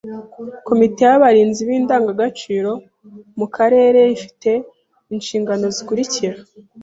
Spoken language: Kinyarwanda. Komite y’abarinzi b’indangagaciro mu Karere ifi te inshingano zikurikira: